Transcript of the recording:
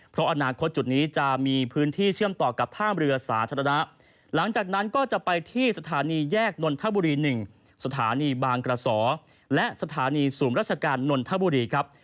เพราะอนาคตจุดนี้จะมีพื้นที่เชื่อมต่อกับท่ามเรือสาธารณะหลังจากนั้นก็จะไปที่สถานีแยกนนทบุรี๑สถานีบางกระสอและสถานีศูนย์ราชการนนทบุรีครับ